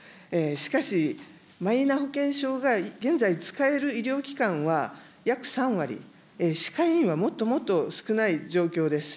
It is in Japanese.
しかし、マイナ保険証が現在使える医療機関は約３割、歯科医院はもっともっと少ない状況です。